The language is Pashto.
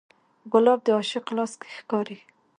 ګلاب د عاشق لاس کې ښکاري.